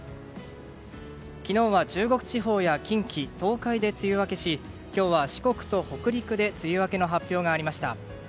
昨日は中国地方や近畿・東海で梅雨明けし今日は四国と北陸で梅雨明けの発表がありました。